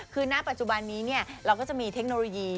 คือหน้าปัจจุบันนี้เนี่ยเราก็จะมีเทคโนโลยี